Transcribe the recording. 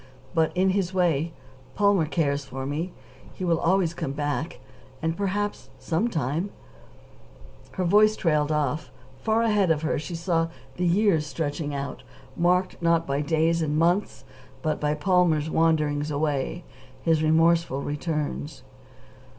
But, in his way, Palmer cares for me. He will always come back, and perhaps sometime " Her voice trailed off. Far ahead of her she saw the years stretching out, marked, not by days and months, but by Palmer's wanderings away, his remorseful returns.